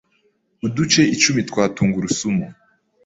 uduce icumi twa tungurusumu